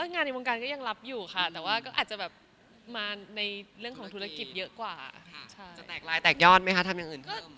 งานในวงการก็ยังรับอยู่ค่ะแต่ก็อาจจะมาในเรื่องของธุรกิจเยอะกว่า